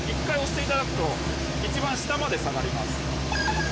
１回押して頂くと一番下まで下がります。